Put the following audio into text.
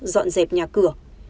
dọn dẹp nhà cửa